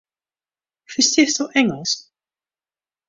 Ferstiesto Ingelsk?